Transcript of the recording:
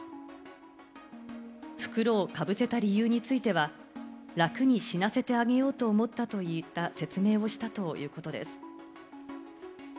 袋をかぶせた理由については、楽に死なせてあげようと思ったといった説明をしたということです。